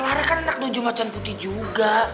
clara kan anak donjumacan putih juga